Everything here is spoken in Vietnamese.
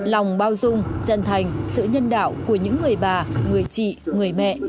lòng bao dung chân thành sự nhân đạo của những người bà người chị người mẹ